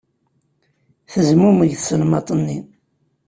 Tezmumeg tselmadt-nni.